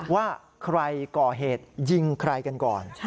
ว่าใครก่อเหตุยิงใครกันก่อน